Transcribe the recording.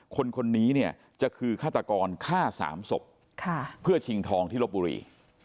คนนี้เนี่ยจะคือฆาตกรฆ่า๓ศพเพื่อชิงทองที่ลบบุรี